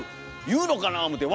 言うのかな思て。